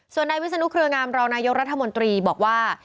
ส่วนใดวิสนุทธ์เครืองามราวนายกรรภมนตรีบอกว่า